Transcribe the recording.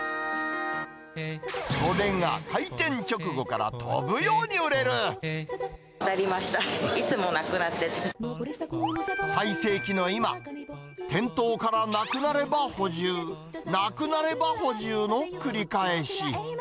それが開店直後から飛ぶように売当たりました、いつもなくな最盛期の今、店頭からなくなれば補充、なくなれば補充の繰り返し。